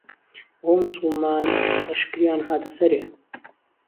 ئهوه موسوڵمان لشکریان هاته سهرئ.